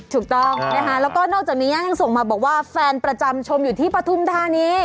ถูกต้องนะคะแล้วก็นอกจากนี้ยังส่งมาบอกว่าแฟนประจำชมอยู่ที่ปฐุมธานี